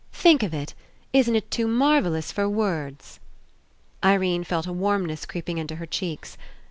Think of It ! Isn't It too mar vellous for words?" Irene felt a warmness creeping Into her cheeks.